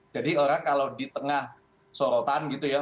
jadi orang kalau di tengah sorotan gitu ya